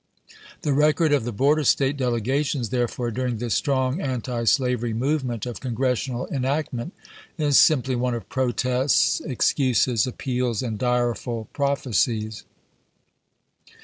The record of the border State delegations, therefore, during this strong antislavery movement of Congressional en actment is simply one of protests, excuses, appeals, and dkeful prophecies.